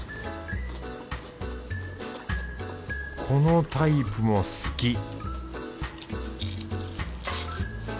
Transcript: このタイプも好き